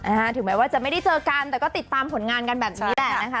ถึงแม้ว่าจะไม่ได้เจอกันแต่ก็ติดตามผลงานกันแบบนี้แหละนะคะ